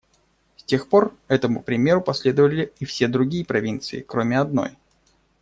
С тех пор этому примеру последовали и все другие провинции, кроме одной.